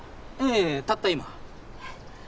ええたった今えっ！？